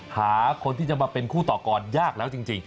หาคนที่จะมาเป็นคู่ต่อกรยากแล้วจริง